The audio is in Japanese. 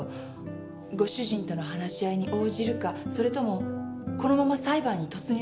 ご主人との話し合いに応じるかそれともこのまま裁判に突入するか。